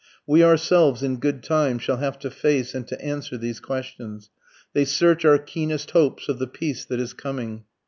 We ourselves in good time shall have to face and to answer these questions. They search our keenest hopes of the peace that is coming.